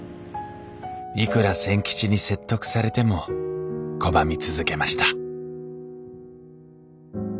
いくら千吉に説得されても拒み続けました